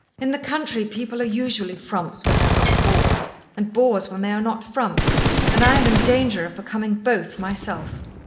"In the country people are usually frumps when they are not bores, and bores when they are not frumps, and I am in danger of becoming both myself.